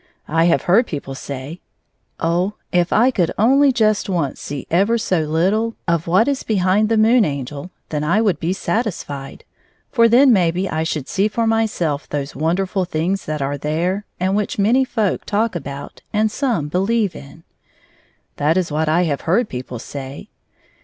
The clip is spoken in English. I have heard people say, " Oh, if I could only just once see ever so little ro3 of what is behind the Moon Angel, then I would be satisfied, for then, maybe, I should see for my self those wonderftd things that are there and which many folk talk about and some believe in." That is what I have heard people say.